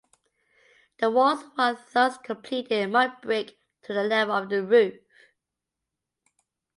The walls were thus completed in mud brick to the level of the roof.